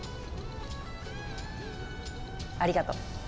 ありがと。